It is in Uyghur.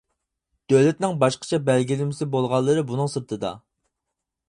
دۆلەتنىڭ باشقىچە بەلگىلىمىسى بولغانلىرى بۇنىڭ سىرتىدا.